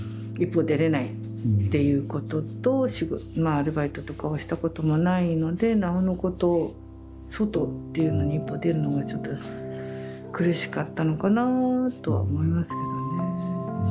アルバイトとかをしたことがないのでなおのこと外っていうのに一歩出るのがちょっと苦しかったのかなぁとは思いますけどね。